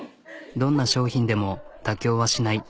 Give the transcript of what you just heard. どんな商品でも妥協はしない。